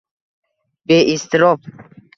Beiztirob